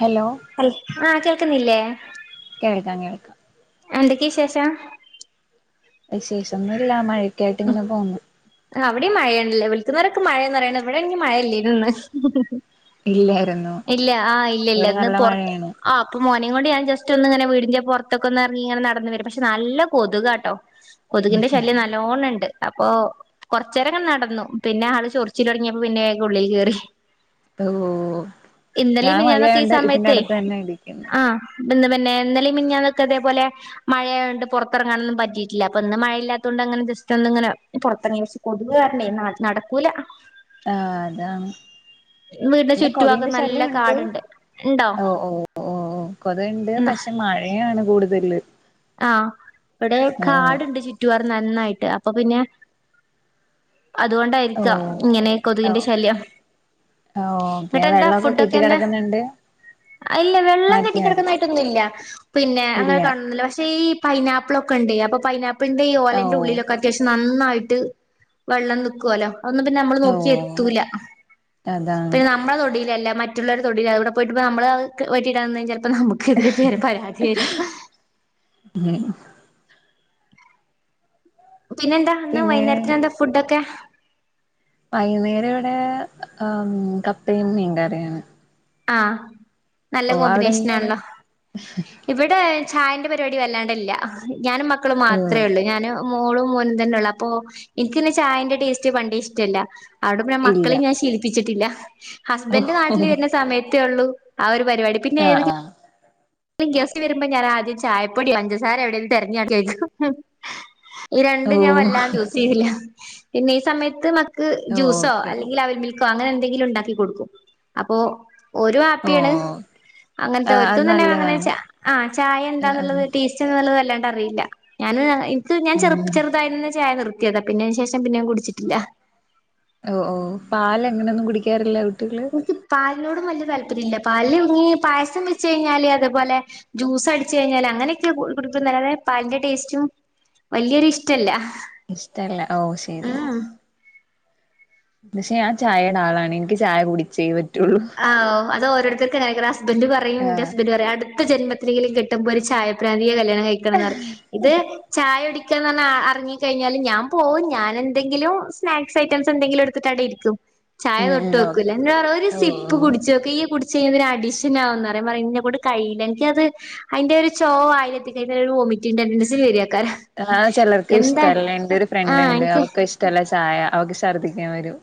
Hello ഹൽ ആഹ് കേക്ക്ന്നില്ലെ? കേൾക്കാം കേൾക്കാം എന്തെക്കെ വിശേഷം? വിശേഷം ഒന്നും ഇല്ല മഴ ഒക്കെ ആയിട്ട് ഇങ്ങനെ പോവുന്നു ആഹ് അവ്ടിം മഴയാണ്ല്ലെ വിൾക്കുന്നോരൊക്കെ മഴയാന്ന് പറിയിണ് ഇവടെ ആണെങ്കി മഴ അല്ലെനു ഇള്ളെയ് ഇല്ലായിരുന്നു ഇല്ല ആഹ് ഇല്ല ഇല്ല ഇവിടെ ഇന്ന് നല്ല പൊർത്ത് മഴയാണ് ആഹ് ഇപ്പം മോനെ കൊണ്ട് ഞാം ജസ്റ്റ് ഒന്ന് ഇങ്ങനെ വീടിന്റെ പൊർത്തൊക്കെ ഒന്ന് എറങ്ങി ഇങ്ങനെ നടന്ന് വെരാ പക്ഷെ നല്ല കൊത്കാട്ടോ കൊത്കിന്റെ ശല്ല്യം നല്ലോണം ഇണ്ട് അപ്പൊ കൊർച്ചേരം ഇങ്ങനെ നടന്നു പിന്നെ ആൾ ചൊർച്ചിൽ തൊടങ്ങിയെപ്പോ പിന്നെ ആയിന്റെ ഉള്ളിൽ കേറി ഓ ഇന്നെലിം ഞാൻ മിനിഞ്ഞാന്നൊക്കെ ഈ മഴയായോണ്ട് ഇതിന്റെ സമയത്തെയ് അടുത്ത് തന്നെ ഇരിക്കുന്നു ആഹ് ഇബെന്ന് പിന്നെ ഇന്നെലിം മിഞ്ഞാന്നോക്കെ ഇതെപോലെ മഴ ആയോണ്ട് പെർത്ത് എറങ്ങാനൊന്നും പറ്റീട്ട് ഇല്ലാ അപ്പ ഇന്ന് മഴയില്ലാത്തോണ്ട് അങ്ങനെണ്ട് ജസ്റ്റ് ഒന്ന് ഇങ്ങനെ പൊർത്തെർങ്ങിന്ന് വെച്ച് കൊത്ക് കാരണെയ് നട് നടക്കൂലാ ആഹ് അതാണ് വീടിന്റെ ഇബടെ ചുറ്റുഭാഗം കൊതുകിന്റെ നല്ല ശല്ല്യം ഉണ്ട് കാടുണ്ട് ഇണ്ടോ ഓഹ് ഓഹ് ഓഹ് ഓഹ് കെറെ ഇണ്ട് ന്ന പക്ഷെ മഴയാണ് കൂട് ഇത് ഇള്ളെയ് ആഹ് ഇവടെ കാട് ഇണ്ട് ചുറ്റുപാറും നന്നായിട്ട് അപ്പൊ പിന്നെ ഓ അതുകൊണ്ടായിരിക്കാം ഇങ്ങനെ ഓ കൊതുകിന്റെ ശല്ല്യം ഓക്കെ ഇങ്ങെട്ട് എന്താ വെള്ളമൊക്കെ ഫുഡ് കെട്ടി ഒക്കെ ഇന്ന്. കിടക്കുന്നുണ്ട് ഇല്ല വെള്ളം കെട്ടി മാറ്റിയാ മതി കെടക്കുന്നതായി ട്ട് ഒന്നും ഇല്ലാ പിന്നെ അങ്ങനെ ഇല്ല കാണുന്നില്ലാ പക്ഷെ ഈ പൈനാപ്പിളൊക്കെ ഇണ്ടെയ് അപ്പ പൈനാപ്പ് പ്പ്ൾന്റെ ഈ ഓ ഓലന്റെ ഉള്ളിലൊക്കെ അത്യാവ്ശ്യം നന്നായിട്ട് വെള്ളം നിക്കോലോ അതൊന്നും പിന്നെ നമ്മൾ നോക്കി ഓ എത്തുലാ അതാണ് പിന്നെ നമ്മളെ തൊടിൽ അല്ലാ മറ്റ് റ്റ് ഇള്ളൊരെ തൊടിലാ അവ്ടെ പോയിട്ട്പ്പോ നമ്മൾ അതൊക്കെ വെട്ടിടാം നിന്നാ ചെൽപ്പം നമ്മുക്കെതിരെ പേര് പരാതി വെരും ഉം പിന്നെ എന്താ ഇന്ന് പിന്നെ വൈന്നേര്ത്തിന് എന്താ ഫുഡ് ഒക്കെ? വൈകന്നേരം ഇവടെ കപ്പയും മീം കറിയാണ്. ആഹ് നല്ല അവിടെ കോമ്പിനേഷൻ എന്താണ് ആണല്ലോ? ഇവടെ ചായന്റെ പരിപാടി വല്ലാണ്ടെ ഇല്ല. ഞാനും മക്കളും ഓ മാത്രെയൊള്ളു ഞാനും മോളും മോനും തന്നെ ഒള്ളു അപ്പൊ ഇൻക്ക് പിന്നെ ചായന്റെ ടേസ്റ്റ് പണ്ടെ ഇഷ്ടം ഇല്ല അയോണ്ട് ഇപ്പം ഞാൻ ഇല്ല മക്കളെ ഞാൻ ശീലിപ്പിച്ചിട്ട് ഇല്ല ഓ ഹസ്ബെന്റ് നാട്ടിൽ വെര്ണ സ സമയത്ത് ഒള്ളു ആ ഒരു പരിപാടി ആഹ് ആഹ് ഇപ്പം. ഗസ്റ്റ് വെരുമ്പോ ഞാൻ ആദ്യം ചയപ്പൊടി, പഞ്ചസാര എവിടെന്ന് തെരഞ്ഞ് നടക്ക ആയിരിക്കും ഈ ഓ രണ്ടും ഞാൻ വല്ലാണ്ടെ യൂസ് ചെയ്യ്ണ് ഇല്ല പിന്നെ ഈ സമയത്ത് മക്ക് ഓ ജ്യൂസോ ഓക്കെ ഓക്കെ അല്ലെങ്കിൽ അവിൽ മിൽ ക്കോ അങ്ങനെ എന്തെങ്കിലും ഉണ്ടാക്കി കൊടുക്കും അപ്പൊ ഓ ഒരുഹാപ്പിയാണ് ആ അങ്ങനത്തെ അത് അവർക്കും തന്നെ ച അങ്ങനെ നല്ലതാണ് ആഹ് ചായ ആ ആ എന്താന്നുള്ളത് ടേസ്റ്റ്ള്ളത് വല്ലാണ്ട് അറിയില്ല ഞാൻ ഇ നിക്ക് ഞാൻ ചെറു ഉം ചെറുതായി നിന്ന് ചായ നിർത്തിയതാ പിന്നതിന് ശേഷം പിന്നെ ഞാ ൻ കുടിച്ചിട്ടില്ല ഓ ഓ പാല് എങ്ങനെയൊന്നും കുടിക്കാറില്ല കുട്ടികൾ എനിക്ക് പാലിനോടും വല്യയ താല്പര്യല്ല പാല് ഇങ്ങ പായസം വെച്ച് കഴിഞ്ഞാല് അതേപോലെ ജ്യൂസ് അടിച്ചു കഴിഞ്ഞാല് അങ്ങനെയൊക്കെ കുടിക്കും അല്ലതെ പാലിന്റെ ടേസ്റ്റും വല്യൊരു ഇഷ്ടല്ല ഇഷ്ടല്ല ഓ ശരി ശരി ഉം പക്ഷേ ഞാൻ ചായയുടെ ആളാണ് ഇ നിക്ക് ചായ കുടിച്ചേ പറ്റൊള്ളൂ ആഹ് അത് ഒരുത്തർക്കങ്ങനക്ക ഹസ്ബന്റ് പറയും ആ എന്റെ ഹസ്ബന്റ് പറയും അ അടുത്ത ജന്മത്തിനെലും കെട്ടുമ്പോൾ ഒരു ചായ പ്രാന്തിയെ കല്യാണം കയിക്കണം എന്ന് പറയും ഇത് ചായ കുടിക്ക എന്ന് എറങ്ങി കഴിഞ്ഞാല് ഞാൻ പോവും ഞാൻ എന്തെങ്കിലും സ്നാക്സ് ഐറ്റംസ് എന്തെിലും എടുത്തിട്ട് അവിടെഇരിക്കും ചായ ഉം ഉം ഓക്കെ തൊട്ട്ക്കൂല എന്താ പറ ഒരു ഓ സി ഓ കുടിച്ച് നോക്ക്ഈ കുടിച്ച കഴിഞ്ഞൽ ഒരു അഡിഷൻ ആകും പറയും ഇന്നെക്കൊണ്ട് കഴിയില്ല എനിക്കത് അതിന്റെ ഒരു ചോ വായയിൽ എത്തിക്കഴിഞ്ഞാൽ ഹോമിറ്റുണ്ട് അൻസിൽ വരിയാക്കാറ് ആഹ് ചെലർക്ക് ഇഷ്ടല്ല എന്റെ ഒരു ഫ്രണ്ട് ആഹ് ഉണ്ട് എനിക്ക് അവർക്ക ഇഷ്ടല്ല ചായ അവൾക്ക് ശർദ്ദിക്കാൻ വരും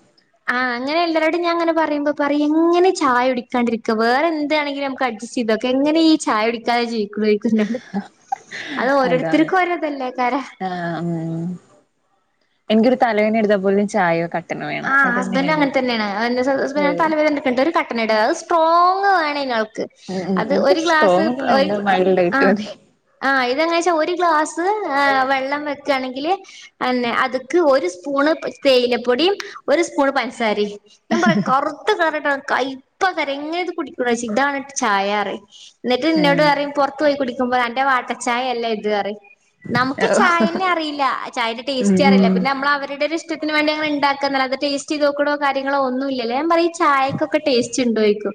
ആഹ് അങ്ങെ എല്ലരോടും ഞാൻ അങ്ങനെ പറുമ്പോ പറയും എങ്ങനെ ചായ കുടിക്കാതിരിക്കുക വേറെ എന്താണെങ്കും നമുക്ക ജസ്റ്റ്ചെയ്യ്ത്ക്ക എങ്ങനെ ഈ ചായ കുടി കാതെ ജീവിക്ക [unintelligible] അതാണ് ഓരോരുത്തർക്കും ഓരോ തല്ലേക്കാരാം ആഹ് മ് മ് എനിക്കൊരു തലവേദന എടുതാൽ പോലും ചായയോ കട്ടന് ആഹ് ഹസ്ബൻറ് അങ്ങനെ തന്നെയാണ് അവന്റെസ്ബന്റ് ഏഹ് തലവേദന ഇട്ക്ക്ണ്ട് ഒരു കട്ടണനിട് സ്ട്രോങ് വേണ ങ്ങൾക്ക് ഉം ഉം അത് എനിക്ക് ഒരു ഗ്ലാസ് സ്ട്രോങ് ഒന്നും വേണ്ട ഒരു മൈൽഡ് ആയിട്ട് ആഹ് മതി ആഹ് ഇതങ്ങനെ വെച്ചാ ഒരു ഗ്ലാസ് വെള്ളം വെക്കാണെങ്കില് അന്നെ അത്ക്ക് ഒരു സ്പൂണ് തേയിലപ്പൊടിം ഒരു സ്പൂണ് പഞ്സാരിം ഞാൻ പറയാ കറുത്ത് കയറിട്ടാണ് കൈ കൈപ്പ ക്കാരാം ഇങ്ങനെ ഇത് കുടിക്കണെ ചൊയ്ച്ചും ഇതാണ് ചായാന്ന് പറയും എന്നിട്ട് ഇന്നോട് ആഹ് പറയും പൊറത്ത് പോയി കുടി ക്കുമ്പോ അന്റെ വാട്ട ചായയല്ല ഇത് എന്ന് പറയും നമുക്ക് ചായന്നെ അറിയില്ല ചായന്റെ ഉം ട്ടേസ്റ്റ് ഉം അറിയില്ല പിന്നെ നമ്മള് അവരുടെ ഒരു ഇഷ്ടത്തിന് വേണ്ടി അങ്ങനെ ഉണ്ടാക്കി അത് ടേസ്റ്റ് ചെയ്ത് നോക്കോ കാര്യങ്ങളോ ഒന്നുല്ല ഞാൻ പറയും ചായക്കൊക്കെ ടേസ്റ്റ് ഉണ്ടോന്ന് ചോയ്ക്കും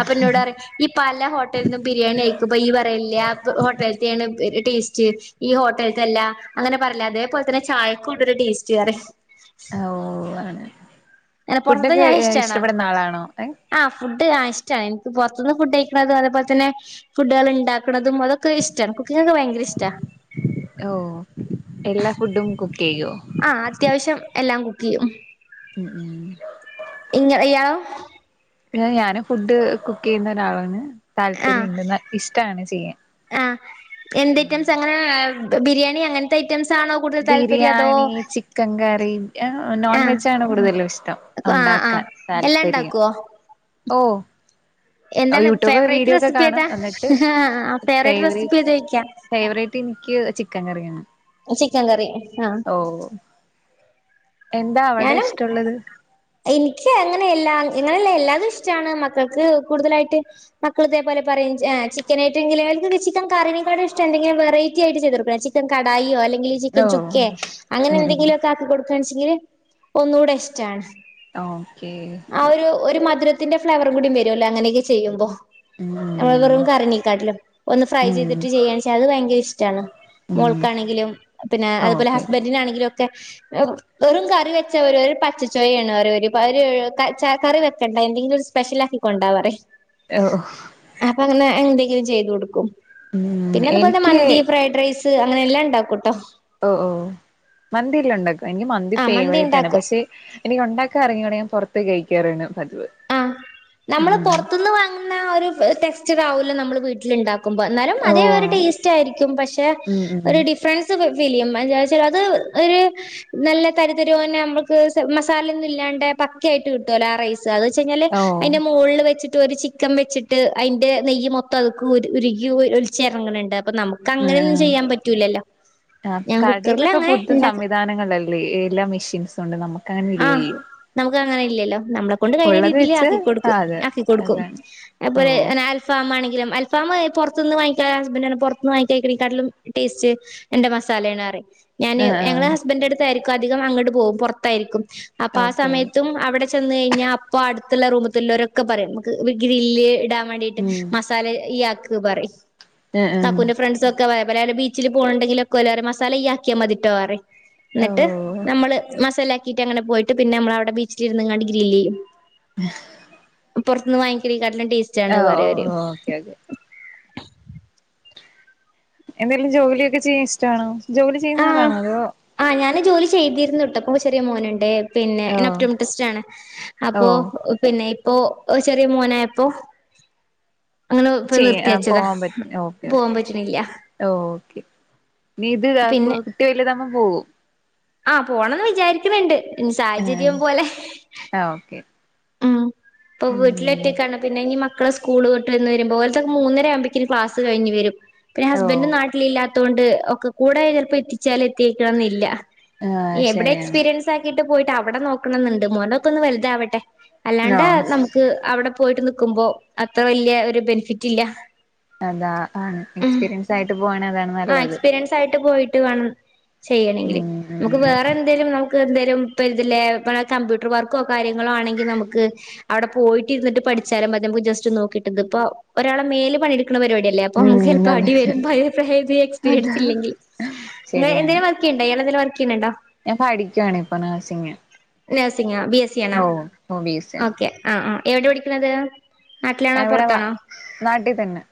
അപ്പൊ ഇന്നോടറയും ഇയ്യ് പല ഹോട്ടലിൽ നിന്നും ബിരിയാണി കയിക്കുമ്പ ഇയ്യ് പറയലില്ലേ ആ ഹോട്ടലിത്തെയാണ് ടേസ്റ്റ് ഈ ഹോട്ടൽതല്ല അങ്ങനെ പറയില്ലേ അതേപോലെ തന്നെ ചായക്കുണ്ടൊരു ടേസ്റ്റ് ഓ ആണ് അങ്ങനെ പുറത്തത്തെ ഫുഡൊക്കെ ചായ ഇഷ്ടാണോ ഇഷ്ടപ്പെടുന്ന ആളാണോ ആഹ് ഫുഡ് ആ ഇഷ്ടാണ് എനിക്ക് പൊറത്ത്ന്ന് ഫുഡ് കഴിക്കണതും അതുപോലെ തന്നെ ഫുഡുകൾ ഇണ്ടാക്കുന്നതും അതൊക്കെ ഇഷ്ടാണ് കുക്കിങ്ങൊക്കെ ഭയങ്കര ഇഷ്ടാണ് ഓ എല്ലാ ഫുഡും കുക്ക് ചെയ്യോ ആഹ് അത്യാവശ്യം എല്ലാം കുക്ക് ചെയ്യും ഉം ഉം ഇയാളോ പിന്നെ ഞാന് ഫുഡ് കുക്ക് ചെയ്യുന്ന ഒരാളാണ് ആഹ് താല്പര്യണ്ട് ഇഷ്ടാണ് ചെയ്യാൻ ആഹ് എന്ത് ഉം ഐറ്റംസ് അങ്ങനെ ബിരിയാണി അങ്ങനെ ത്തെ ഐറ്റംസ് ആണോ താല്പര്യം അതോ ബിരിയാണി ചിക്കൻ കറി നോൺ ആഹ് വെജാണ് കൂടുതലും ഇഷ്ടം ആഹ് ആഹ് ഉണ്ടാക്കാൻ എല്ലാം താല്പര്യം ഉണ്ടാക്കുവോ ഓ എന്താണ് യൂട്യൂബ് ഫേവറേറ്റ് വീഡിയോ ഒക്കെ റെസിപ്പി കാണും ഏതാ എന്നിട്ട് ഫേവറേറ്റ് റെസിപ്പി ഫേവറിറ്റ് ഏതാ ചോയിക്കാ ഫേവറേറ്റ് എനിക്ക് ചിക്കൻ കറിയാണ് ചിക്കൻ കറി ആഹ് ഓ എന്താ അവിടെ ഞാനും ഇഷ്ടമുള്ളത് എനിക്ക് അങ്ങനെയെല്ലാം അ ങ്ങനെയല്ല എല്ലാതും ഇഷ്ടമാണ് മക്കൾക്ക് കൂടുതലായിട്ട് മക്കള് ഇതേ പോലെ പറയും ചിക്കനായിട്ടെന്തെങ്കിലും ഓൽക്കൊക്കെ ചിക്കൻ കറിനെക്കാളും ഇഷ്ടം എന്തെങ്കിലും വെറൈറ്റി ആയിട്ട് ചെയ്ത് കൊടുക്കണം ചി ചിക്കൻ കടായിയോ അല്ലെങ്കിൽ ചിക്കൻ ഓ ചുക്കെ അങ്ങനെ ഉം ഉം എന്തെങ്കിലുമൊക്കെ ആക്കി കൊടുക്കുകയാണെച്ചെങ്കില് ഒന്നൂടെ ഇഷ്ടാണ് ഓക്കെ ആ ഒരു ഒരു മധുരത്തിന്റെ ഫ്ലേവറ് കൂടി വരുമല്ലോ അങ്ങനെയൊക്കെ ചെയ്യുമ്പോ ഉം നമ്മളെ വെറും കറിനെക്കാട്ടിലും ഒന്ന് ഫ്രൈ ഉം ചെയ്തിട്ട് ചെയ്യുകയാണെന്ന് വെച്ചാൽ അത് ഭയങ്കര ഇഷ്ടമാണ് ഉം മോൾക്കാണെങ്കിലും പിന്നെ അതുപോലെ ഓക്കെ ഹസ്ബൻഡിനാണെങ്കിലും ഒക്കെ വെറും കറി വെച്ച ഒരു പച്ച ചൊയയാണ്ന്ന് പറയും ഓര് കറി വെക്കണ്ട എന്തെങ്കിലും ഒരു സ്പെഷ്യൽ ആക്കി കൊണ്ടോന്ന് പറയും ഏ ഓ അപ്പൊ അങ്ങനെ എന്തെങ്കിലും ചെയ്തു കൊടുക്കും ഉം പിന്നെ അതുപോലെ എനിക്ക് മന്തി ഫ്രൈഡ് റൈസ് അങ്ങനെ എല്ലാം ഉണ്ടാക്കും കേട്ടോ ഓ ഓ മന്തിയെല്ലാണ്ടാക്കോ എനിക്ക് മന്തി ആ ഫേവറിറ്റാണ് ഉണ്ടാക്കും പക്ഷെ എനിക്ക് ഉണ്ടാക്കാൻ അറിഞ്ഞൂടാ ഞാൻ പുറത്ത് പോയി കഴിക്കാറാണ് പതിവ് ആഹ് നമ്മള് ഉം പുറത്തുന്ന് വാങ്ങുന്ന ഒരു ടെസ്റ്റർ ആവൂല നമ്മൾ വീട്ടിലുണ്ടാക്കുമ്പൊ എന്നാലും ഓ അതേ ഒരു ടേസ്റ്റ് ആയിരിക്കും പക്ഷെ ഉം ഉം ഒരു ഡി ഫ്രെറെൻസ് ഫീൽ ചെയ്യും അത് എന്താന്ന് വെച്ചാൽ അത് ഒരു നല്ല തരിതരി പോന്നെ നമ്മുക്ക് മസാലൊന്നും ഇല്ലാണ്ട് പക്ക ആയിട്ട് കിട്ടുവല്ലോ ആ റൈസ് അത് വെച്ചങ്കില് ഓ അതിന്റെ മുകളിൽ വെച്ചിട്ട് ഒരു ചിക്കൻ വെച്ചിട്ട് അതിന്റെ നെയ്യ് മൊത്തം അതിൽക്ക് ഉരുകി ഒലിച്ചിറങ്ങണ്ട് അപ്പൊ നമുക്ക് അങ്ങനെയൊന്നും ആഹ് ചെയ്യാൻ പറ്റൂലല്ലോ ഞാൻ കുക്കറിൽ അങ്ങനെ ഉണ്ടാക്കും സാനങ്ങളെല്ലാം എല്ലാ മെഷീൻസും ഉണ്ട് നമുക്ക് അങ്ങനെ ആ ഇല്ലല്ലോ നമുക്ക് അങ്ങനെ ഇല്ലല്ലോ നമ്മളെ കൊണ്ട് കഴിയുന്ന ഉള്ളത് രീതിൽ വെച്ച് ആ ആക്കിക്കൊടുക്കും അതെ ആക്കിക്കൊടുക്കും അതാണ് ഓ അത്പോലെ അൽഫാമാണെങ്കിലും അൽഫാം പുറത്ത് നിന്ന് വാങ്ങിക്കാ ഹസ്ബന്റ് പറഞ്ഞു പുറത്തുന്ന് വാങ്ങിക്കുന്ന തിനെക്കാട്ടിലും ടേസ്റ്റ് എന്റെ മസാലേണ്ന്ന് പറയും ഞാന് ആഹ് ഞങ്ങള് ആഹ് ഹസ്ബന്റട്ത്തായിരിക്കും അധികം അങ്ങ്ട് പോവും പൊറത്തായിരിക്കും അപ്പാ ഓക്കെ ഓക്കെ സമയത്തും അവിടെ ചെന്ന് കയിഞ്ഞാ അപ്പൊ അടുത്തുള്ള റൂമത്തുള്ളൊരൊക്കെ പറയും നമക്ക് ഗ്രില്ല് ഇടാൻ വേണ്ടിട്ട് ഉം മസാല ഇയ്യാക്ക് പറയും ആഹ് ആഹ് കക്കൂന്റെ ഫ്രെ ഫ്രണ്ട്സൊക്കെ പറയാ ബല് ബീച്ചില് പോണ്ണ്ണ്ടെങ്കിലൊക്കോലറയും മസാല ഇയ്യാക്കിയാ മതിട്ടോ പറയും ഓ ഇന്നിട്ട് നമ്മള് മസാലാക്കിയിട്ടങ്ങനെ പോയിട്ട് പിന്നമ്മളവിടെ ബീച്ചിലിരുന്ന്ങ്ങാണ്ട് ഗ്രില്ലെയ്യും അഹ് പൊറത്തുന്ന് വാങ്ങിക്കണയില് കാട്ടിലും ഓ ടേസ്റ്റാണ് പറയവിര് ഓ ഓക്കെ ഓക്കെ എന്തേലും ജോലിയൊക്കെ ചെയ്യാൻ ഇഷ്ടാണോ ജോലി ചെയ്യുന്ന ആഹ് ആളാണോ അതോ ആഹ് ഞാന് ജോലി ചെയ്തിരുന്നൂട്ട്പ്പൊ ചെറിയ മോന്ണ്ട് പിന്നെ ഞാന് ഒഫ് ഓ തോമെപ്ടിസ്റ്റാണ് അപ്പോ ഓ പിന്നെ ഇപ്പോ ചെറിയ മോനായപ്പൊ ചെയ്യാ വെച്ചതാ പോവാൻ പറ്റ് പോവാൻ ഓക്കെയോക്കെയോക്കെ പറ്റണില്ല ഓക്കെ നീ ഇതാതാക്കു പിന്നെ കുട്ടി വല്താകുമ്പൊ പോകും ആഹ് പോണംന്ന് വിചാരിക്ക്ന്ന്ണ്ട് ഇനി സാഹചര്യം പോലെ ആ ഓക്കെ ഇപ്പവീട്ടി ഉം ലൊറ്റക്കാണ് പിന്നിനി മക്കള് സ്കൂള് വിട്ട് വന്ന് വരുമ്പൊ ഓല്ത് മൂന്നരയാവുമ്പക്ക് ക്ലാസ്സ്‌ കഴിഞ്ഞ് വരും. പിന്നെ ഓ ഹസ്ബന്റ് നാട്ടിലില്ലാത്തകൊണ്ട് ഒക്കക്കൂടെ ചെലപ്പൊ എത്തിച്ചാലെത്തീക്കണംന്നില്ല. ആ ഇവിടെ ശരിയാണ് എക്സ്പീരിയൻസാക്കീട്ട് പോയിട്ട് അവിടെ നോക്കണന്ന്ണ്ട് മോനൊക്കൊന്ന് വല്താവട്ടെ. അല്ലാണ്ട് ഓ നമുക്ക് അവിടെ പോയിട്ട് നിക്കുമ്പൊ അത്ര വല്യ ഒരു ബെനിഫിറ്റില്ല. അതാ ആണ് എക്സ്പീരിയൻസായിട്ട് പോകണതാണ് നല്ലത്. [unintelligible] പോയിട്ട് വേണം ചെയ്യണെങ്കില് ഉം ഉം നമുക്ക് വേറെ ഓക്കെ എ ന്തേലും നമുക്ക് എന്തേലും ഇപ്പൊരിത് ലേ കമ്പ്യൂട്ടർ വർക്കോ കാര്യങ്ങളോ ആണെങ്കി നമുക്ക് അവിടെ പോയിട്ടിരുന്നിട്ട് പഠിച്ചാലും മതി നമുക്ക് ജെസ്റ്റ് നോക്കിട്ട് ഇതിപ്പൊ ഒരാള് മേല് പണിയെടുക്കുന്ന പരിപാടിയ. ല്ലപ്പൊ നമുക്ക് ഉം ചെലപ്പൊ അതാണ് അടിവരും ബയോഫെഹേവി അതാണ് എക്സ്പീരിയൻസില്ലെങ്കിൽ. അങ്ങനെ ശരിയാണ് എന്തേലും വർ ക്കെയ്യ്ണ്ടോ ഇയ്യാളെന്തേലും വർക്കെയ്യ്ണണ്ടോ? ഞാൻ പഠിക്കുവാണിപ്പൊ നെഴ്സിങ്ങ് നേഴ്സിങ്ങൊ ബി എസ് സിയാണോ? ഓ ബി എസ് സി ഓക്കെ ആ ആ എവിടെയാ പഠിക്ക്ണത്? നാട്ടിലാണോ ഇവിടെ പൊറത്താണോ? നാട്ടിൽ തന്നെ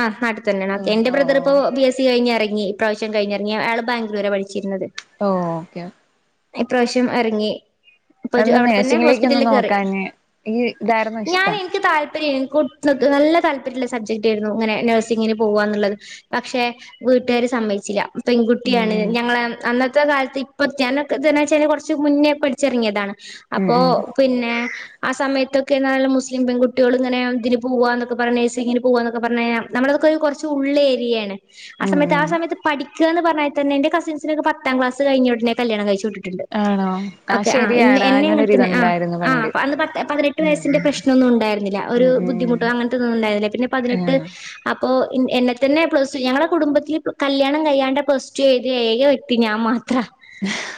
ആ നാട്ടിൽ തന്നെയാണോ ഓ ക്കേ എന്റെ ഓ ബ്രദറിപ്പോ ഓ ബി എസ് സി കഴിഞ്ഞെറങ്ങി ഇപ്രാവശ്യം കഴിഞ്ഞെറങ്ങി അയാള് ബാംഗ്ളൂരാ പഠിച്ചിരുന്നത്. ഓ ഓക്കെ ഇപ്രാവശ്യം എറങ്ങി അപ്പൊ എന്താ അവിടെത്തന്നെ നേഴ്സിങ്ങിലേക്കൊന്നും ഹോസ്പിറ്റലിൽ കേറി, നോക്കാഞ്ഞേ ഈ ഇതായിരുന്നു ഞാൻ ഇഷ്ടം എനിക്ക് താല്പര്യം കുട്ട് ങ്ങക്ക് നല്ല താല്പര്യുള്ള സബ്ജക്റ്റായിരുന്നു ഇങ്ങനെ നേഴ്സിങ്ങിന് പോകാന്നുള്ളത്. പക്ഷെ വീട്ട്കാര് സമ്മയിച്ചില്ല പെൺകുട്ടിയാണ് ഉം ഞങ്ങളെ അന്നത്തെ കാലത്ത് ഇപ്പൊ ഞാനൊക്കെത്തെന്നെച്ചാ കൊറച്ച് മുന്നേപ്പഠി ച്ചെറങ്ങിയതാണ് ഉം അപ്പോ ഉം പിന്നെ ആ സമയത്തൊക്കെ ഞങ്ങള് മുസ്ലീം പെൺകുട്ടികളിങ്ങനെ ഇതിന് പോവാന്നൊക്കെപറഞ്ഞാ നേഴ്സിങ്ങിന് പോവാന്നൊക്കെ പറഞ്ഞഴിഞ്ഞാ നമ്മളതൊക്കെ കൊറച്ചുള്ളേര്യയാണ് ആ ഉം സമയത്ത് ഉം ആ ഉം സമയത്ത് പഠി ക്കാന്ന് പറഞ്ഞാതന്നെ എന്റെ കസിൻസൊക്ക പത്താം ക്ലസ് കയിഞ്ഞുടനെ കല്യാണം കഴിച്ച് വിട്ടിട്ടുണ്ട്. ആണോ? ഓക്കെ ആ ഇന്ന് ശരിയാണ് എന്നെ അങ്ങനെത്തന്നെ ആ അങ്ങനൊരിതുണ്ടായിരുന്നു ആ പണ്ട് അന്ന് പത് പതിനെട്ട് ഉം വയസ്സിന്റെ പ്രശ്നൊന്നുണ്ടായിരുന്നില്ല. ഒരു ഉം ബുദ്ധിമു ഉം ട്ട് അങ്ങനത്തെതൊന്നുണ്ടായിരുന്നില്ല പിന്നെ പതിനെട്ട് ആഹ് അപ്പോ എന്നെ തന്നെ പ്ലസ് ടു ഞങ്ങടെ കുടുംബത്തില് കല്യാണം കയ്യാണ്ട് പ്ലസ് ടു എയ്തിയ ഏക വെ ക്തി ഞാൻ മാത്ര [inaudible]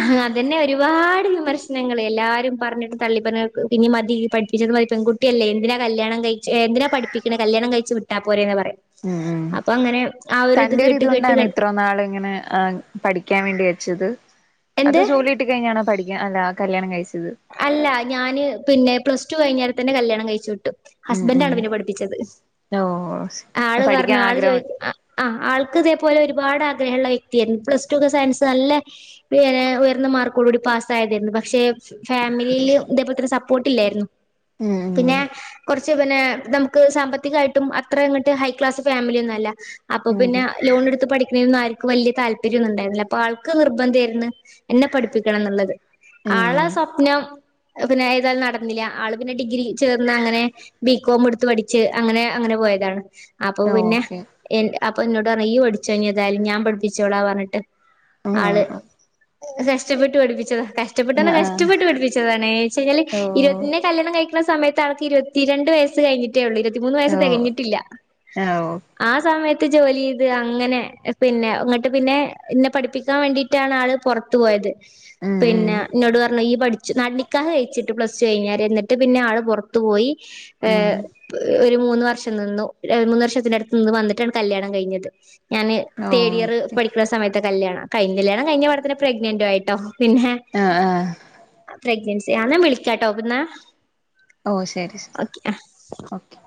അഹ് അതന്നെ വെ ഒരുപാട് വിമർശനങ്ങള് എല്ലാരും പറഞ്ഞിട്ട് തള്ളി പറഞ്ഞ് പിന്നെം മതി പഠിപ്പിച്ചത് മതി പെൺകു ട്ടിയല്ലേ എന്തിനാ കല്യാണം കയിച്ച് എന്തിനാ പഠിപ്പിക്ക്ണെ കല്യാണം കയിച്ച് വിട്ടാ പോരേന്ന് പറയും. ഉം ഉം അപ്പൊ അങ്ങനെ ആ ഒരു ഇത് കേട്ട് കേട്ട് തന്റൊരിത്കൊണ്ടാണ് കേ- ഇത്രൊനാളിങ്ങനെ ആ പഠിക്കാൻ വേണ്ടി അയച്ചത്, അതോ എന്ത് ജോലികിട്ട് കഴിഞ്ഞാണോ പഠിക്ക അല്ല കല്യാണം കഴിച്ചത്? അല്ല ഞാന് പിന്നെ പ്ലസ് ടു കഴിഞ്ഞേര തന്നെ കല്യാണം കഴിച്ചു വിട്ടു. ഉം ഹസ്ബൻഡ് ആണ് ഉം പിന്നെ പഠിപ്പിച്ചത്. ഓ ആള് പറഞ്ഞു പഠിക്കാൻ ആള് ചോദ ആഗ്രഹം ആ ആൾക്ക് ഇതേപലെ ഒരുപാട് ആഗ്രഹമുള്ള വ്യക്തിയായിരുന്നു പ്ലസ് ടു ഒക്കെ സയൻസ് നല്ല ഉയർന്ന മാർക്കോടുകൂടി പാസ്സായതായിരുന്നു. പക്ഷെ ഫാമിലിയില് ഇതേപ്പോലെ ഇത്ര സപ്പോർട്ടില്ലായിരുന്നു. ഉം പിന്നെ കുറച്ച് പിന്നെ നമുക്ക് സാമ്പത്തികായിട്ടും അത്ര അങ്ങോട്ട് ഹൈ ക്ലാസ് ഫാമിലിയൊന്നും അല്ല. അപ്പൊ പിന്നെ ഉം ലോൺ എടുത്ത് പഠിക്കണേനൊന്നു ആ വല്യ താല്പര്യം ഒന്നും ഉണ്ടായിരുന്നില്ല. അപ്പൊ ആൾക്ക് നിർബന്ധായിരുന്നു എന്നെ പഠിപ്പിക്കണം എന്നുള്ളത്. ആള ഉം പിന്നെ ഏതായാലും നടന്നില്ല ആള് പിന്നെ ഡിഗ്രി ചേർന്ന് അങ്ങനെ ബികോം എടുത്ത് പഠിച്ച് അങ്ങനെ അങ്ങനെ പോയതാണ് അപ്പൊ ഉം പിന്നെ ഓക്കെ അപ്പൊ എന്നോട് പറഞ്ഞ് ഈയ് പഠിച്ചോ ഇനി ഏതായാലും ഞാൻ പഠിപ്പിച്ചോളാ പറഞ്ഞിട്ട് ആള് ആഹ് കഷ്ടപ്പെട്ടു പഠിപ്പിച്ചതാ കഷ് ആഹ് ആ പെട്ട് പഠിപ്പിച്ചതാണ് എന്നുവെച്ചു കഴിഞ്ഞാല് ഇരുത്തി എന്നെ കല്യാണം കഴിക്ക്ണ സമയത്ത് ആൾക്ക് ഇരുപത്തിരണ്ട് വയസ്സ് കഴിഞ്ഞിട്ട് ട്ടേ ഉള്ളൂ ഇരുവത്തിമൂന്ന് വയസ് ഓ തികഞ്ഞിട്ടില്ല ഓ ആ സമയത്ത് ജോലി ചെയ്ത് അങ്ങനെ പിന്നെ ഇങ്ങട്ട് പിന്നെ എന്നെ പഠിപ്പിക്കാൻ വേണ്ടിട്ട് ആണ് ആള് പുറത്ത് പോയത് ഉം ഉം പിന്നെ ഇന്നോട് പറ പറഞ്ഞു ഈയ് പഠിച്ചു നിക്കാഹ് കഴിച്ചിട്ട് പ്ലസ് ടു കഴിഞ്ഞേരെ എന്നിട്ട് പിന്നെ ആള് പുറുത്ത് പോയി ഉം ഏഹ് [inaudible] ഒരു മൂന്ന് വർഷം നിന്നു മൂന്ന് വർഷത്തിന്റെ അടുത്ത് നിന്ന് വന്നിട്ടാണ് കല്യാണം കഴിഞ്ഞത് ഞാന് ഓ തേർഡ് ഇയർ ഓക്കെ പഠിക്കുന്ന സമയത്ത് കല്യാണം കല്യാണം കഴിഞ്ഞ ഉടനെ തന്നെ പ്രെഗ്നന്റും ആയിട്ടോ പിന്നെ ആഹ് ആഹ് പ്രെഗ്നൻസി ആന്നാ വിളിക്കാട്ടോ ന്നാ ഓ ശരി ശരി ഓക്കെ